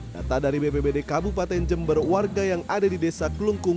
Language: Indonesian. data dari bpbd kabupaten jember warga yang ada di desa kelungkung